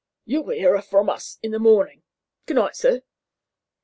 "You'll hear from us in the morning. Good night, sir."